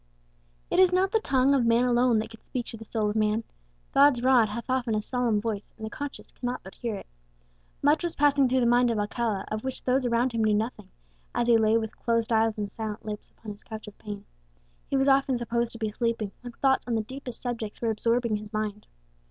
It is not the tongue of man alone that can speak to the soul of man; God's rod hath often a solemn voice, and the conscience cannot but hear it. Much was passing through the mind of Alcala of which those around him knew nothing, as he lay with closed eyes and silent lips upon his couch of pain. He was often supposed to be sleeping, when thoughts on the deepest subjects were absorbing his mind.